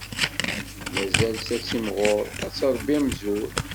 Mazal-tt ad timɣur, ad tṛebbi amzur.